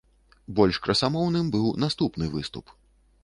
Больш красамоўным быў наступны выступ.